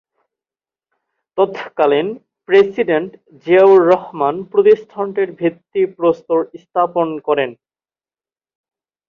তৎকালীন প্রেসিডেন্ট জিয়াউর রহমান প্রতিষ্ঠানটির ভিত্তিপ্রস্তর স্থাপন করেন।